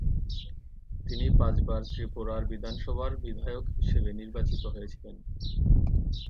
তিনি পাঁচবার ত্রিপুরা বিধানসভার বিধায়ক হিসেবে নির্বাচিত হয়েছিলেন।